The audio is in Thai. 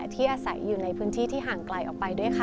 ที่อาศัยอยู่ในพื้นที่ที่ห่างไกลออกไปด้วยค่ะ